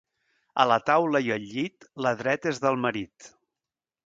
A la taula i al llit, la dreta és del marit.